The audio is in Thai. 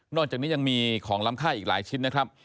อกจากนี้ยังมีของล้ำค่าอีกหลายชิ้นนะครับ